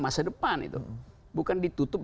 masa depan bukan ditutup